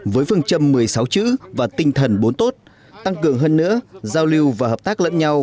với phương châm một mươi sáu chữ và tinh thần bốn tốt tăng cường hơn nữa giao lưu và hợp tác lẫn nhau